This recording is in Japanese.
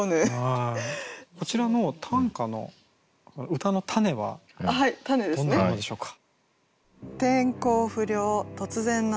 こちらの短歌の歌のたねはどんなものでしょうか？